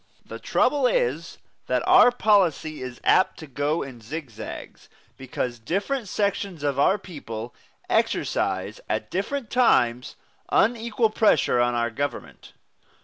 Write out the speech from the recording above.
The trouble is that our policy is apt to go in zigzags, because different sections of our people exercise at different times unequal pressure on our government.